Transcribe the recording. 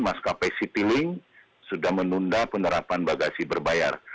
maskapai city link sudah menunda penerapan bagasi berbayar